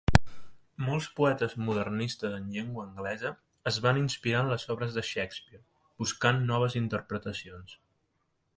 Molts poetes modernistes en llengua anglesa es van inspirar en les obres de Shakespeare, buscant noves interpretacions.